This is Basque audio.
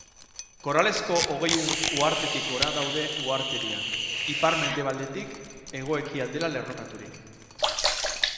Koralezko hogei uhartetik gora daude uhartedian, ipar-mendebaletik hego-ekialdera lerrokaturik.